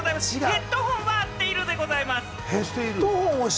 ヘッドフォンもあっているでございます。